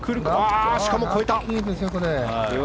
しかも越えた！